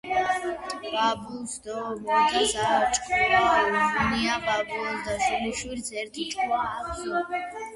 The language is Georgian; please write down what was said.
ბაბუს დო მოთას ართ ჭკუა უღუნია."ბაბუას და შვილიშვილს ერთი ჭკუა აქვსო."